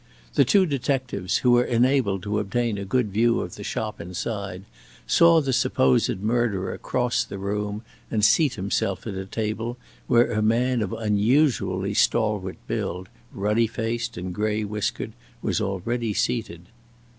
The two detectives, who were enabled to obtain a good view of the shop inside, saw the supposed murderer cross the room and seat himself at a table where a man of unusually stalwart build, ruddy faced and gray whiskered, was already seated.